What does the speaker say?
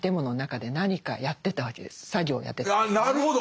なるほど！